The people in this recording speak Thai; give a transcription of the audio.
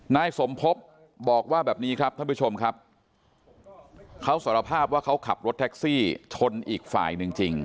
นายสมพบบอกว่าแบบนี้ครับท่านผู้ชมครับเขาสารภาพว่าเขาขับรถแท็กซี่ชนอีกฝ่ายหนึ่งจริง